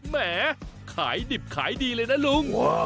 แหมขายดิบขายดีเลยนะลุง